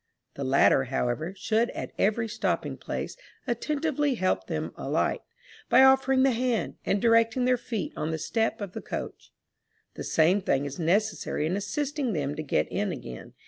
The latter, however, should at every stopping place, attentively help them alight, by offering the hand, and directing their feet on the step of the coach. The same thing is necessary in assisting them to get in again.